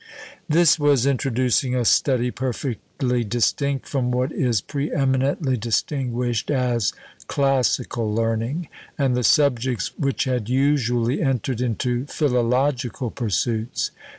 This was introducing a study perfectly distinct from what is pre eminently distinguished as "classical learning," and the subjects which had usually entered into philological pursuits.